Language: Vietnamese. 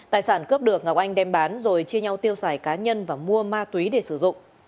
tài sản cướp được ngọc anh đem bán rồi chia nhau tiêu xài cá nhân và mua ma túy để sử dụng